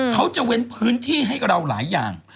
เขาจะเว้นพื้นที่ให้เราหลายอย่าง